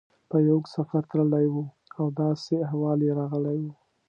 په یو اوږد سفر تللی و او داسې احوال یې راغلی و.